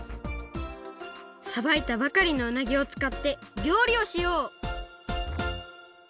さばいたばかりのうなぎをつかってりょうりをしよう！